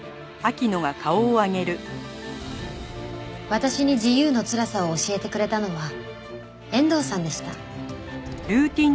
私に自由のつらさを教えてくれたのは遠藤さんでした。